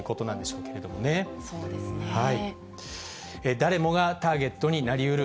誰もがターゲットになりうる